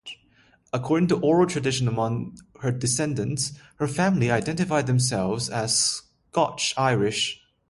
According to oral tradition among her descendants, her family identified themselves as Scotch-Irish.